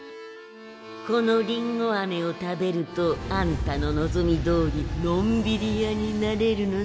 このりんごあめを食べるとあんたの望みどおりのんびり屋になれるのさ。